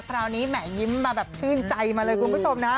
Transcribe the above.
คราวนี้แหมยิ้มชื่นใจมาเลยครับคุณผู้ชมนะคะ